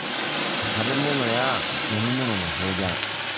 食べ物や飲み物の表現